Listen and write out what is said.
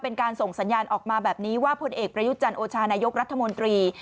เป็นการส่งสัญญาณออกมาแบบนี้ว่าผลเอกประยุทธ์จันทร์โอชานายกรัฐมนตรี